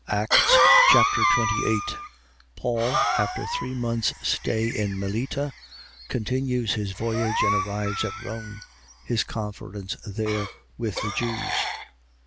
Acts Chapter 28 Paul, after three months' stay in Melita, continues his voyage and arrives at Rome. His conference there with the Jews.